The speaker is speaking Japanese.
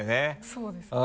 そうですね。